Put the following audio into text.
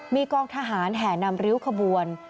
มีกองทหารแห่นำริ้วขบวน